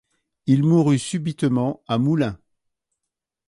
Il mourut subitement à Moulins.